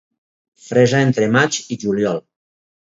Fresa entre maig i juliol.